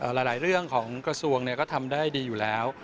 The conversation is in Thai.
เรื่องของกระทรวงก็ทำได้ดีอยู่แล้ว